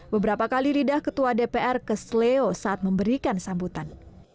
beberapa kali lidah ketua dpr kesleo saat memberikan sambutan